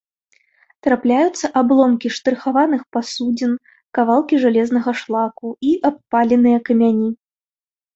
Трапляюцца абломкі штрыхаваных пасудзін, кавалкі жалезнага шлаку і абпаленыя камяні.